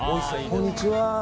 こんにちは。